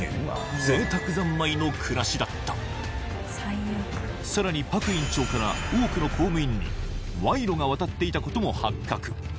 贅沢ざんまいの暮らしだったさらにパク院長から多くの公務員に賄賂が渡っていたことも発覚